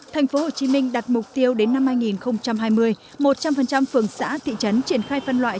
tp hcm đặt mục tiêu đến năm hai nghìn hai mươi một trăm linh phường xã thị trấn triển khai phân loại